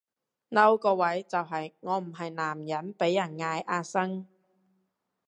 嬲個位就係我唔係男人被人嗌阿生